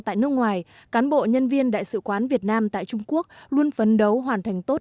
tại nước ngoài cán bộ nhân viên đại sứ quán việt nam tại trung quốc luôn phấn đấu hoàn thành tốt